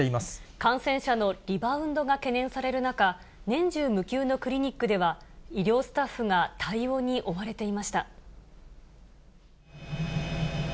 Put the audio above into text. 感染者のリバウンドが懸念される中、年中無休のクリニックでは、医療スタッフが対応に追われていました。